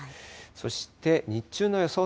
そして日中の予想